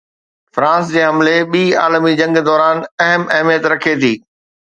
France جي حملي ٻي عالمي جنگ دوران اهم اهميت رکي ٿي.